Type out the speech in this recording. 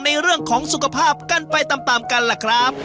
เรื่องของสุขภาพกันไปตามกันล่ะครับ